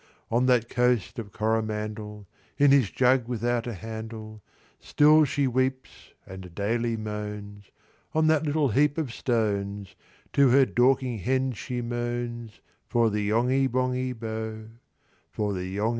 On that Coast of Coromandel, In his jug without a handle, Still she weeps, and daily moans; On that little heap of stones To her Dorking Hens she moans For the Yonghy Bonghy Bò, For the Yonghy Bonghy Bò.